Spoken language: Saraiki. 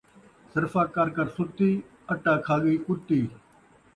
صرفہ کر کر ستی ، اٹا کھا ڳئی کتّی